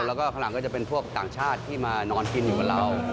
แล้วก็ข้างหลังก็จะเป็นพวกต่างชาติที่มานอนกินอยู่กับเรา